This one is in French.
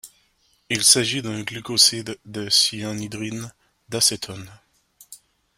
Il s'agit d'un glucoside de cyanhydrine d'acétone.